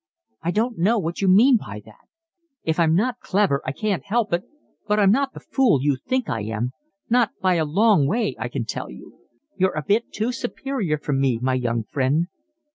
"I don't know what you mean by that. If I'm not clever I can't help it, but I'm not the fool you think I am, not by a long way, I can tell you. You're a bit too superior for me, my young friend."